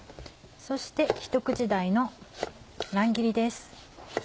そしてひと口大の乱切りです。